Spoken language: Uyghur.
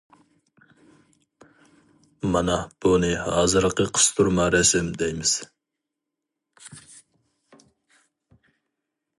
مانا بۇنى ھازىرقى قىستۇرما رەسىم دەيمىز.